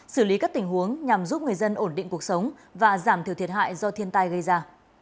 xử lý các tình huống nhằm giúp người dân ổn định cuộc sống và giảm thiểu thiệt hại do thiên tai gây ra